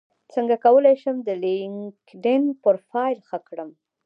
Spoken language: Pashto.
څنګه کولی شم د لینکیډن پروفایل ښه کړم